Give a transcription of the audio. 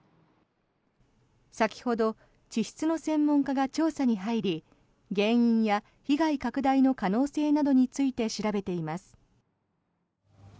先ほど地質の専門家が調査に入り原因や被害拡大の可能性などについて調べています。